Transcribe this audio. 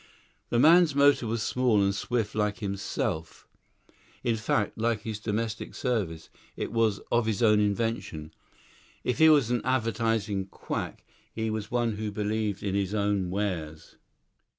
The man's motor was small and swift like himself; in fact, like his domestic service, it was of his own invention. If he was an advertising quack, he was one who believed in his own wares.